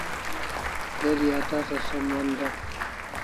geri a tasa som mon dem